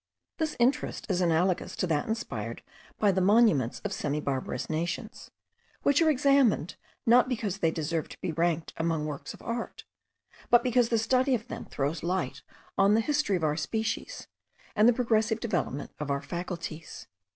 This interest is analogous to that inspired by the monuments of semi barbarous nations, which are examined not because they deserve to be ranked among works of art, but because the study of them throws light on the history of our species, and the progressive development of our faculties.